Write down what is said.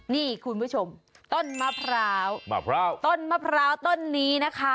นี่คุณผู้ชมต้นมะพร้าวมะพร้าวต้นมะพร้าวต้นนี้นะคะ